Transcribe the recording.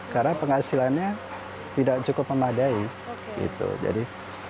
karena penghasilannya tidak cukup memadai